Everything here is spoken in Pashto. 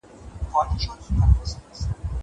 دا لرګي له هغه قوي دي.